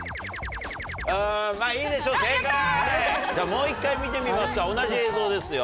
もう１回見てみますか同じ映像ですよ。